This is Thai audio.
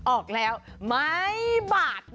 ออกแล้วไม้บาท